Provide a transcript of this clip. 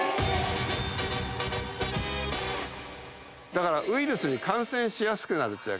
だからウイルスに感染しやすくなる。